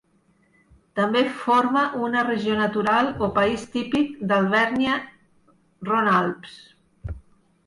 També forma una regió natural o país típic d'Alvèrnia-Roine-Alps.